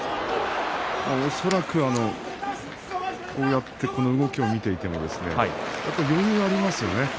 恐らくこうやって動きを見ていても余裕がありますよね。